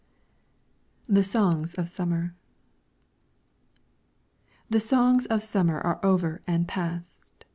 THE SONGS OF SUMMER The songs of summer are over and past!